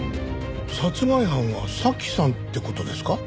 殺害犯は早紀さんって事ですか？